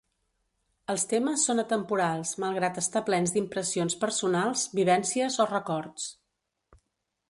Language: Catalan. Els temes són atemporals malgrat estar plens d'impressions personals, vivències o records.